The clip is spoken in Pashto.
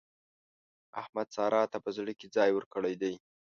احمد سارا ته په زړه کې ځای ورکړی دی.